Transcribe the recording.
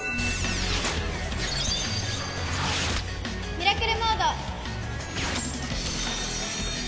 ミラクルモード！